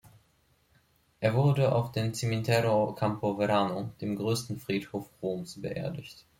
Er wurde auf dem Cimitero Campo Verano, dem größten Friedhof Roms, beerdigt.